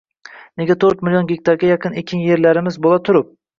Nega to'rt million gektarga yaqin ekin yerlarimiz bo‘la turib